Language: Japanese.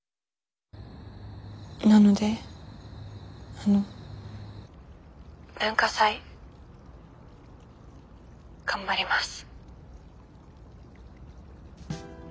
なのであの文化祭頑張ります。